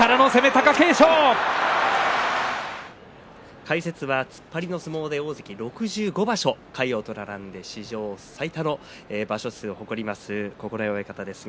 解説は突っ張りの相撲で大関を６５場所魁皇と並んで史上最多の場所数を誇ります九重親方です。